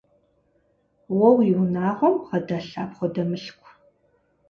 Уэ уи унагъуэм бгъэдэлъ апхуэдэ мылъку?